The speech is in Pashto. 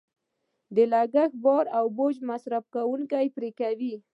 د لګښت بار او بوج مصرف کوونکې پرې کوي.